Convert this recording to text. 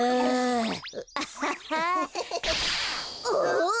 お！